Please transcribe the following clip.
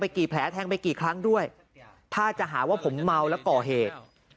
กี่แผลแทงไปกี่ครั้งด้วยถ้าจะหาว่าผมเมาแล้วก่อเหตุ